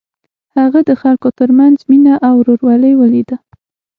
هغه د خلکو تر منځ مینه او ورورولي ولیده.